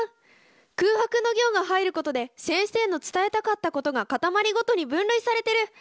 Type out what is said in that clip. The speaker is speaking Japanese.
空白の行が入ることで先生の伝えたかったことが固まりごとに分類されてる！